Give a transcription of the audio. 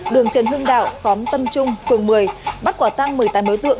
đường trần hưng đạo khóm tâm trung phường một mươi bắt quả tăng một mươi tám đối tượng